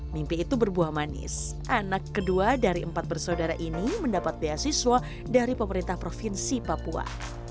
mimpi itu berbuah manis anak kedua dari empat bersaudara ini mendapat beasiswa dari pemerintah provinsi papua